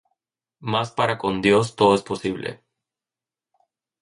mas para con Dios todo es posible.